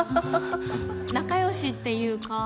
仲良しっていうか。